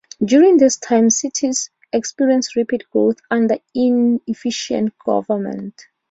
During this time "cities experienced rapid growth under inefficient government".